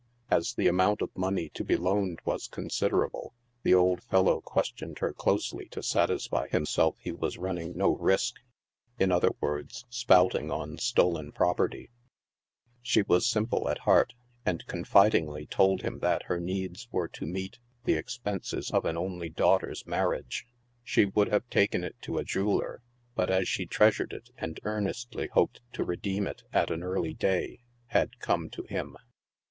As the amount of money to be loaned was considerable, the old fellow questioned her closely to satisfy himself he was running no risk, in other words, "spouting'' on stolen property, she was simple at heart, and confidingly told him that her needs were to meet the ex penses of an only daughter's marriage. She would have taken it to a jeweller, but as she treasured it, and earnestly hoped to redeem it at an early day, had come to him.